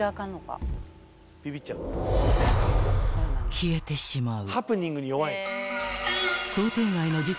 ［消えてしまう］